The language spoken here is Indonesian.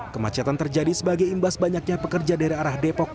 kemacetan terjadi sebagai imbas banyaknya pekerja dari arah depok